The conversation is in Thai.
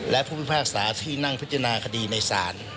และพุธภาษาที่นั่งพิจารณาคดีในสาร